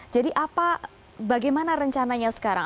jadi bagaimana rencananya sekarang